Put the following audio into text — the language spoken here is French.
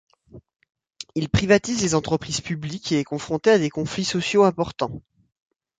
Il privatise les entreprises publiques et est confronté à des conflits sociaux importants.